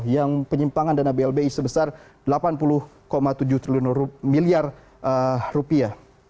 yang penyimpangan dana blbi sebesar delapan puluh tujuh triliun rupiah